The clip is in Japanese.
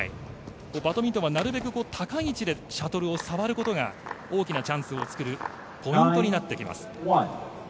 バドミントンはなるべく高い位置でシャトルを触ることが大きなチャンスを作るポイントになってきます。